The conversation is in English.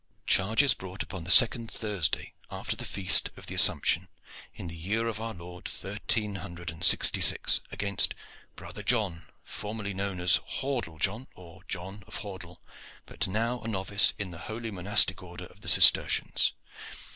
"Charges brought upon the second Thursday after the Feast of the Assumption, in the year of our Lord thirteen hundred and sixty six, against brother John, formerly known as Hordle John, or John of Hordle, but now a novice in the holy monastic order of the Cistercians.